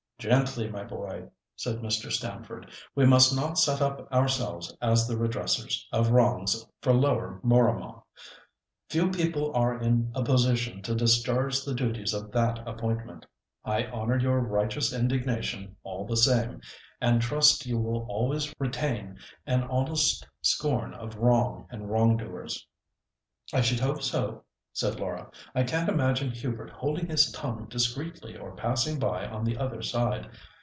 "Gently, my boy!" said Mr. Stamford; "we must not set up ourselves as the redressers of wrongs for Lower Mooramah, Few people are in a position to discharge the duties of that appointment. I honour your righteous indignation all the same, and trust you will always retain an honest scorn of wrong and wrongdoers." "I should hope so," said Laura. "I can't imagine Hubert holding his tongue discreetly or passing by on the other side.